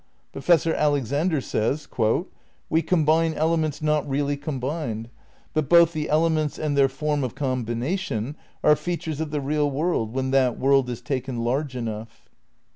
Professor Alexander says: "We combine elements not really combined, but both the ele ments and their form of combination are features of the real world when that world is taken large enough."